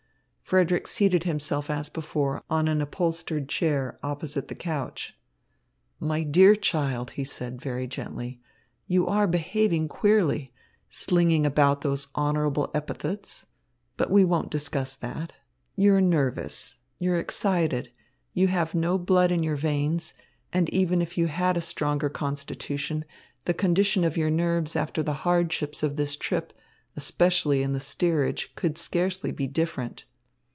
Frederick seated himself as before on an upholstered chair opposite the couch. "My dear child," he said, very gently, "you are behaving queerly, slinging about those honourable epithets. But we won't discuss that. You are nervous. You are excited. You have no blood in your veins, and even if you had a stronger constitution, the condition of your nerves after the hardships of this trip, especially in the steerage, could scarcely be different."